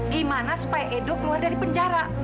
gimana supaya edo keluar dari penjara